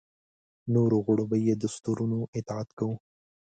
نورو غړو به یې دستورونو اطاعت کاوه.